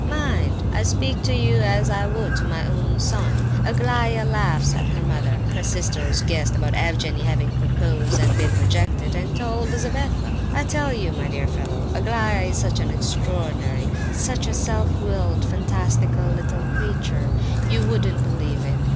—mind, I speak to you as I would to my own son! Aglaya laughs at her mother. Her sisters guessed about Evgenie having proposed and been rejected, and told Lizabetha. "I tell you, my dear fellow, Aglaya is such an extraordinary, such a self willed, fantastical little creature, you wouldn't believe it!